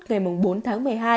ngày bốn tháng một mươi hai